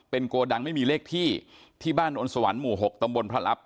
โกดังไม่มีเลขที่ที่บ้านนวลสวรรค์หมู่๖ตำบลพระรับ